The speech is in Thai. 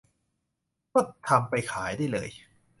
ก็ทำไปขายได้เลย